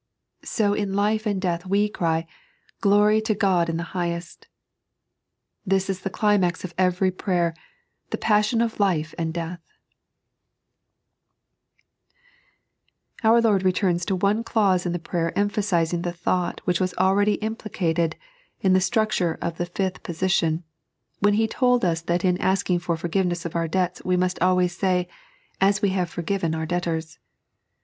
So in life and death we cry: "Glory to God in the highest." This the climax of every prayer, the passion of life and Our Lord returns to one clause in the prayer empha sizing the thought which was already implicated in the structure of the fifth position, when He told us that in ask ing for forgiveness of our debtfi, we must always say :*' Am we have fot^ven our debtors."